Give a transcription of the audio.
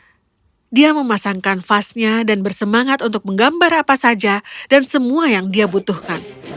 ketika albert pulang dia memasangkan fasnya dan bersemangat untuk menggambar apa saja dan semua yang dia butuhkan